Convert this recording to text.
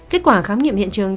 kết quả khám nghiệm hiện trường